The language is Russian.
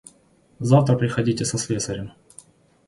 Завтра приходите со слесарем.